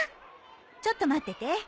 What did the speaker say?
ちょっと待ってて。